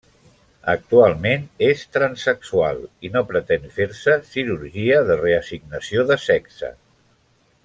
Actualment és transsexual i no pretén fer-se cirurgia de reassignació de sexe.